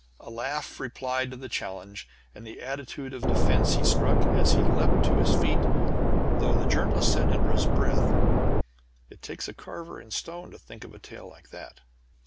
Only a laugh replied to the challenge, and the attitude of defense he struck, as he leaped to his feet, though the Journalist said, under his breath, "It takes a carver in stone to think of a tale like that!"